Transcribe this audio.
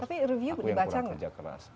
aku yang kurang kerja keras